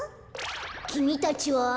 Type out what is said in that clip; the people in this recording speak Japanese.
きみたちは？